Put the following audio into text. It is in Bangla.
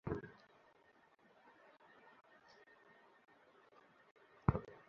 নিন্দুকেরে বাসি আমি সবার চেয়ে ভালোযুগ জনমের বন্ধু আমার আঁধার ঘরের আলো।